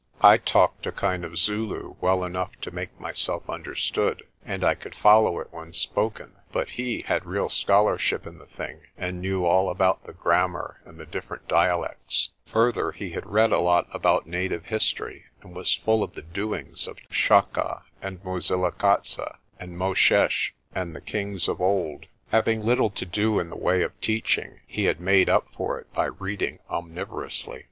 I talked a kind of Zulu well enough to make my MR. WARDLAW'S PREMONITION 71 self understood, and I could follow it when spoken; but he had real scholarship in the thing, and knew all about the grammar and the different dialects. Further, he had read a lot about native history, and was full of the doings of Chaka and Mosilikatse and Moshesh, and the kings of old. Having little to do in the way of teaching, he had made up for it by reading omnivorously.